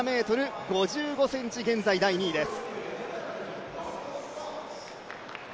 １７ｍ５５ｃｍ、現在第２位です。